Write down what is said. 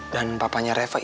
dan papanya reva itu